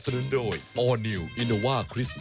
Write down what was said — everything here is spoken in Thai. นุนโดยออร์นิวอินโนว่าคริสต์